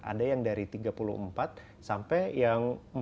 ada yang dari tiga puluh empat sampai yang